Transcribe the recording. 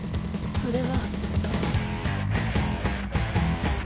それは！